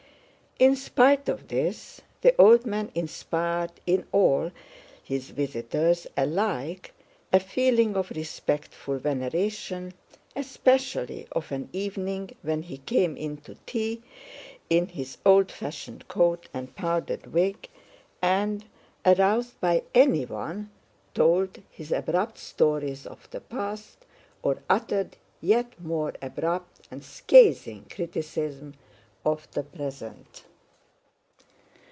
In spite of this the old man inspired in all his visitors alike a feeling of respectful veneration—especially of an evening when he came in to tea in his old fashioned coat and powdered wig and, aroused by anyone, told his abrupt stories of the past, or uttered yet more abrupt and scathing criticisms of the present.